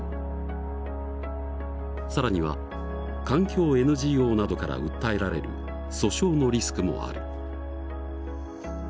更には環境ＮＧＯなどから訴えられる訴訟のリスクもある。